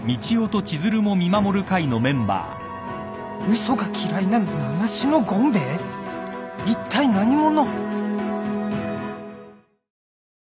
・「嘘が嫌いな名無しの権兵衛」「いったい何者？」